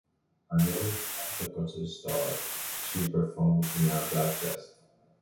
Announced as the concert's "star", she performed in a black dress.